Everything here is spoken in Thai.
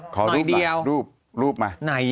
ขอรูปรูปมาหน่อยเดียว